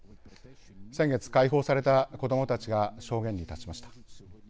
先月解放された子どもたちが証言に立ちました。